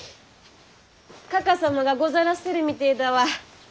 かか様がござらっせるみてだわ。